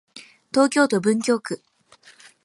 東京都文京区